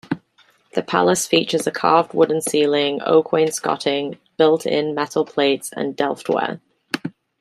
The palace features a carved wooden ceiling, oak wainscoting, built-in metal plates and Delftware.